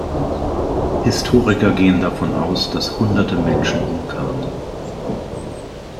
Historiker gehen davon aus, dass hunderte Menschen umkamen.